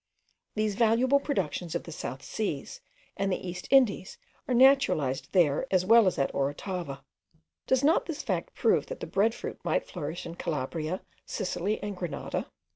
These valuable productions of the South Sea and the East Indies are naturalized there as well as at Orotava. Does not this fact prove that the bread fruit might flourish in Calabria, Sicily, and Granada?